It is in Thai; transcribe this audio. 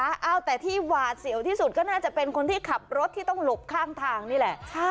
เอาแต่ที่หวาดเสียวที่สุดก็น่าจะเป็นคนที่ขับรถที่ต้องหลบข้างทางนี่แหละ